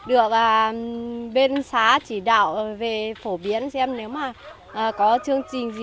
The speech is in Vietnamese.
được bên xá chỉ đạo về phổ biến xem nếu mà có chương trình gì